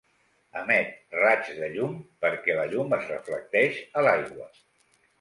Emet raigs de llum perquè la llum es reflecteix a l'aigua.